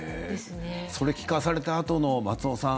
それを聞かされたあとの松尾さん